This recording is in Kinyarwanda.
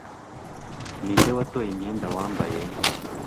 Ninde watoye iyo myenda wambaye